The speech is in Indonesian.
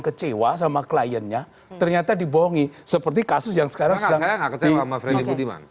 kecewa sama kliennya ternyata dibohongi seperti kasus yang sekarang sedang kecewa sama freddy budiman